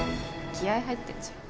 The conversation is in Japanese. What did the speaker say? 気合入ってんじゃん。